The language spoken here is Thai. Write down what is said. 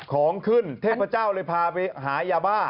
ของขึ้นเทพเจ้าเลยพาไปหายาบ้า